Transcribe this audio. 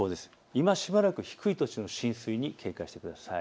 今しばらく低い土地の浸水に警戒してください。